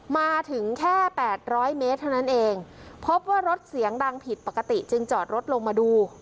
มาถึงแค่แปดร้อยเมตรเท่านั้นเองพบว่ารถเสียงดังผิดปกติจึงจอดรถลงมาดู